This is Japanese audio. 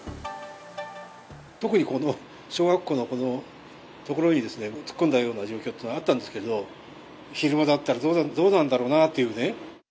特にこの小学校のこの所に突っ込んだような状況というのはあったんですけど、昼間だったらどうなんだろうなっていうね。